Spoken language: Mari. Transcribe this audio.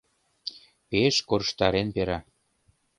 Пеш корштарен пера...